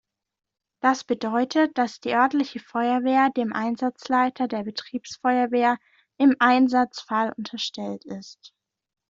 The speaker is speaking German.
Das bedeutet, dass die örtliche Feuerwehr dem Einsatzleiter der Betriebsfeuerwehr im Einsatzfall unterstellt ist.